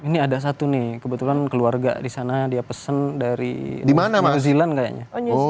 ini ada satu nih kebetulan keluarga di sana dia pesen dari new zealand kayaknya